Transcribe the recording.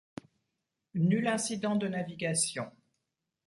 Nul incident de navigation.